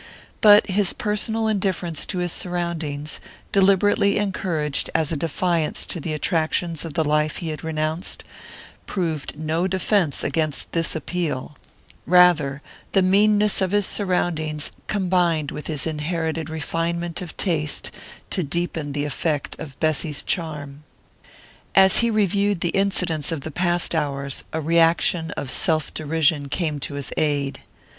But his personal indifference to his surroundings deliberately encouraged as a defiance to the attractions of the life he had renounced proved no defence against this appeal; rather, the meanness of his surroundings combined with his inherited refinement of taste to deepen the effect of Bessy's charm. As he reviewed the incidents of the past hours, a reaction of self derision came to his aid.